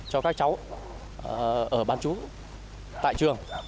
cho các cháu ở ban chú tại trường